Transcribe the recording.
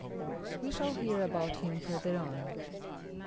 We shall hear about him further on.